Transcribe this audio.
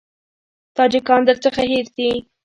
تاجکان درڅخه هېر دي.